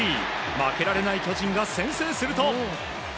負けられない巨人が先制すると。